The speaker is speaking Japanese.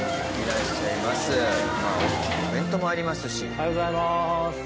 おはようございます。